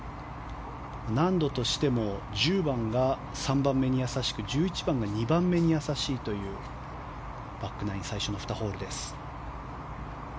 難度としても１０番が３番目にやさしく１１番が２番目にやさしいバックナイン最初の２ホール。